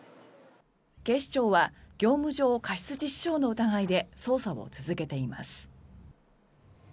警視庁は業務上過失致死傷の疑いで捜査を続けています。